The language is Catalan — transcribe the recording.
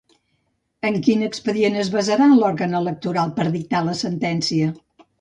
En quin expedient es basarà l'òrgan electoral per dictar la sentència?